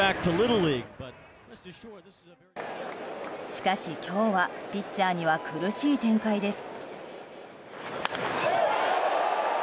しかし、今日はピッチャーには苦しい展開です。